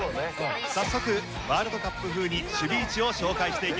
早速ワールドカップ風に守備位置を紹介していきます。